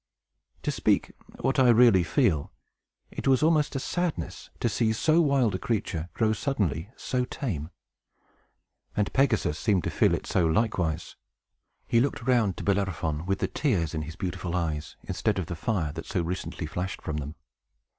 To speak what I really feel, it was almost a sadness to see so wild a creature grow suddenly so tame. And Pegasus seemed to feel it so, likewise. He looked round to Bellerophon, with the tears in his beautiful eyes, instead of the fire that so recently flashed from them.